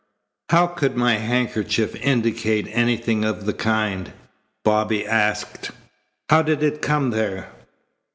"How could my handkerchief indicate anything of the kind?" Bobby asked, "How did it come there?"